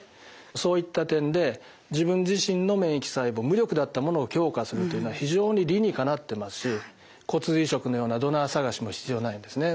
そういった点で自分自身の免疫細胞無力であったものを強化するというのは非常に理にかなっていますし骨髄移植のようなドナー探しも必要ないですね。